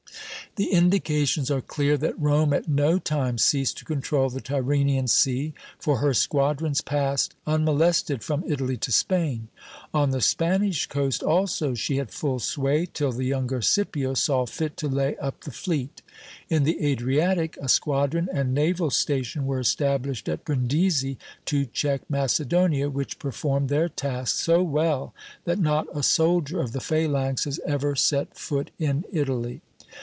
The indications are clear that Rome at no time ceased to control the Tyrrhenian Sea, for her squadrons passed unmolested from Italy to Spain. On the Spanish coast also she had full sway till the younger Scipio saw fit to lay up the fleet. In the Adriatic, a squadron and naval station were established at Brindisi to check Macedonia, which performed their task so well that not a soldier of the phalanxes ever set foot in Italy.